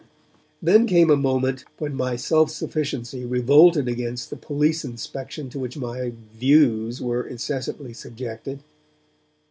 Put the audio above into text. Then came a moment when my self sufficiency revolted against the police inspection to which my 'views' were incessantly subjected.